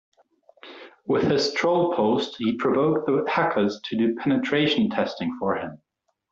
With his troll post he provoked the hackers to do penetration testing for him.